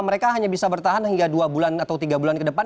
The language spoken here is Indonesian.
mereka hanya bisa bertahan hingga dua bulan atau tiga bulan ke depan